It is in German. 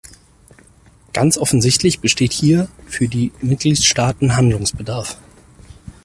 Ganz offensichtlich besteht hier für die Mitgliedstaaten Handlungsbedarf.